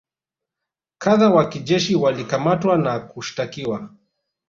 kadhaa wa kijeshi walikamatwa na kushtakiwa